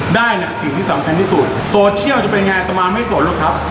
ได้เนี่ยสิ่งที่สำคัญที่สุดโซเชียลจะเป็นไงอัตมาไม่สนหรอกครับ